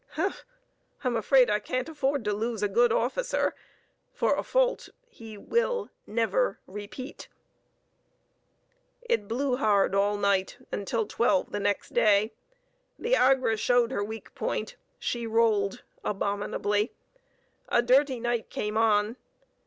"Humph! I'm afraid I can't afford to lose a good officer for a fault he—will—never—repeat." It blew hard all night and till twelve the next day. The Agra showed her weak point: she rolled abominably. A dirty night came on.